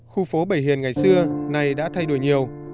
khu phố bảy hiền ngày xưa nay đã thay đổi nhiều